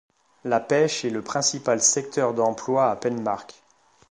La pêche est le principal secteur d'emploi à Penmarc'h.